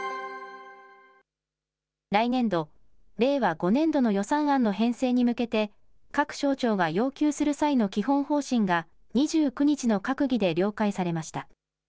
来年度・令和５年度の予算案の編成に向けて、各省庁が要求する際の基本方針が、２９日の閣議で了解されました。